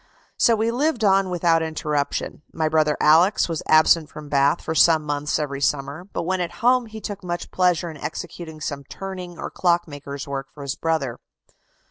So we lived on without interruption. My brother Alex. was absent from Bath for some months every summer, but when at home he took much pleasure in executing some turning or clockmaker's work for his brother."